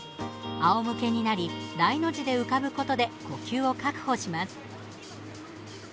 あおむけになり大の字で浮かぶことで呼吸を確保します。